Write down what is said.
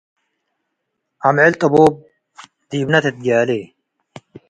አምዕል ጥቡጥ ዲብነ ትትጃሌ